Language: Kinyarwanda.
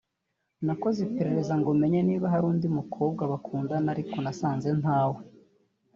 nakoze iperereza ngo menye niba hari undi mukobwa bakundana ariko nasanze ntawe